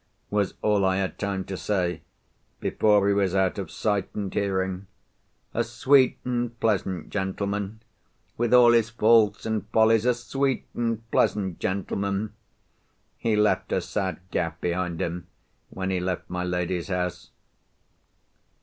was all I had time to say, before he was out of sight and hearing. A sweet and pleasant gentleman! With all his faults and follies, a sweet and pleasant gentleman! He left a sad gap behind him, when he left my lady's house.